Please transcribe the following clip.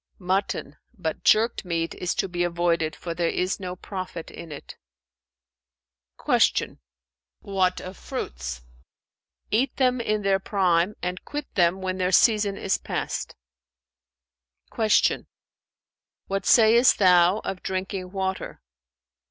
"Mutton; but jerked meat is to be avoided, for there is no profit in it." Q "What of fruits?" "Eat them in their prime and quit them when their season is past." Q "What sayest thou of drinking water?"